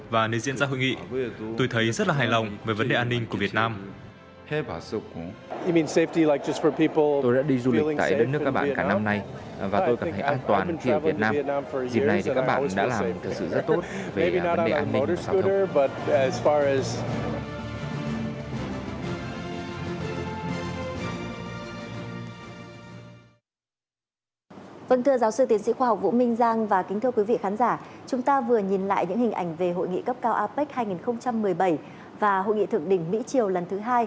và hội nghị thượng đỉnh mỹ triều lần thứ hai